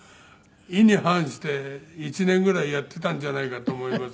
意に反して１年ぐらいやっていたんじゃないかと思います。